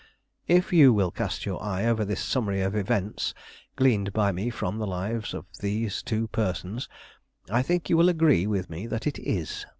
If you will cast your eye over this summary of events gleaned by me from the lives of these two persons, I think you will agree with me that it is."